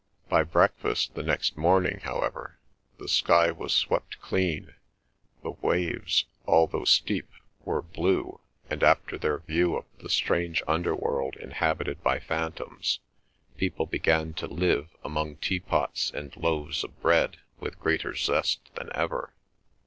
By breakfast the next morning, however, the sky was swept clean, the waves, although steep, were blue, and after their view of the strange under world, inhabited by phantoms, people began to live among tea pots and loaves of bread with greater zest than ever.